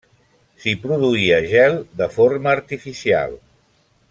S'hi produïa gel de forma artificial.